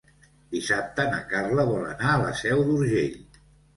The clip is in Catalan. Dissabte na Carla vol anar a la Seu d'Urgell.